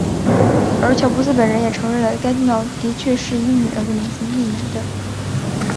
而乔布斯本人也承认了该电脑的确是以女儿的名字命名的。